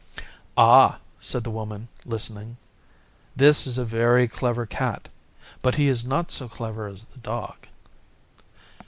'Ah,' said the Woman, listening, 'this is a very clever Cat, but he is not so clever as the Dog.